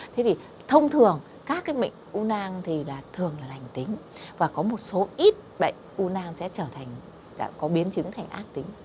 thông thường các mệnh u năng thường là lành tính và có một số ít bệnh u năng sẽ có biến chứng thành ác tính